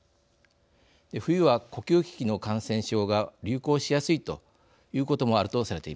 冬は呼吸器の感染症が流行しやすいということもあるとされています。